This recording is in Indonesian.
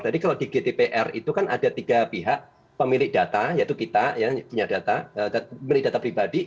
jadi kalau di gdpr itu kan ada tiga pihak pemilik data yaitu kita yang punya data pemilik data pribadi